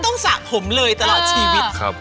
ก้าวเบื้องก้าว